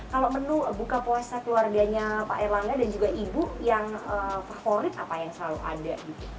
kalau menu buka puasa keluarganya pak erlangga dan juga ibu yang favorit apa yang selalu ada